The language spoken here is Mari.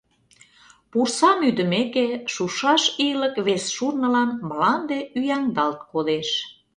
Пурсам ӱдымеке, шушаш ийлык вес шурнылан мланде ӱяҥдалт кодеш.